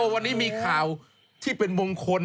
วันนี้มีข่าวที่เป็นมงคล